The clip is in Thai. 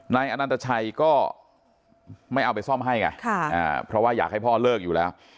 อนันตชัยก็ไม่เอาไปซ่อมให้ไงเพราะว่าอยากให้พ่อเลิกอยู่แล้ว